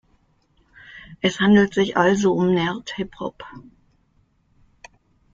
Es handelt sich also um Nerd-Hip-Hop.